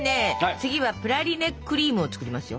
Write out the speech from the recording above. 次はプラリネクリームを作りますよ。